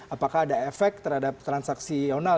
apakah ada efek terhadap transaksi yonal